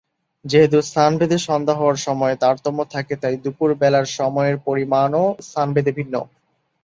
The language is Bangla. যেহেতু স্থানভেদে সন্ধ্যা হওয়ার সময়ে তারতম্য থাকে তাই, দুপুর বেলার সময়ের পরিমাণও স্থানভেদে ভিন্ন।